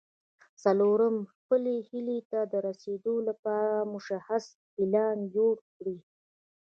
څلورم خپلې هيلې ته د رسېدو لپاره مشخص پلان جوړ کړئ.